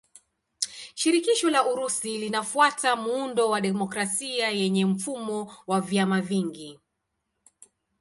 Shirikisho la Urusi linafuata muundo wa demokrasia yenye mfumo wa vyama vingi.